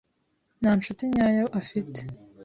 Nta nshuti nyayo afite.